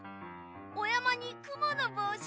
おやまにくものぼうし！